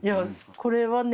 これはね